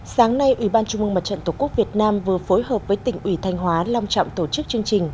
sáng nay ủy ban trung mương mặt trận tổ quốc việt nam vừa phối hợp với tỉnh ủy thanh hóa long trọng tổ chức chương trình